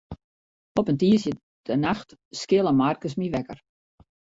Op in tiisdeitenacht skille Markus my wekker.